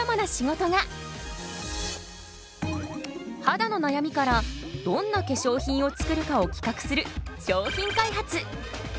肌の悩みからどんな化粧品を作るかを企画する商品開発。